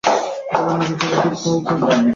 জলের নৌকো চালাতে চাও পাঁকের উপর দিয়ে!